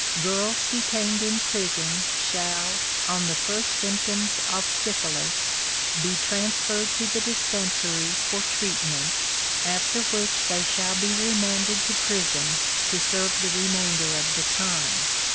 "Girls detained in prison shall, on the first symptoms of syphilis, be transferred to the Dispensary for treatment, after which they shall be remanded to prison to serve the remainder of the time."